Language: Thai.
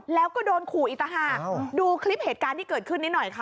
แล้วก็โดนขู่อีกต่างหากดูคลิปเหตุการณ์ที่เกิดขึ้นนี้หน่อยค่ะ